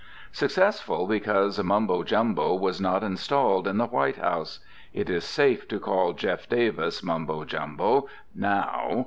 Successful, because Mumbo Jumbo was not installed in the White House. It is safe to call Jeff. Davis Mumbo Jumbo now.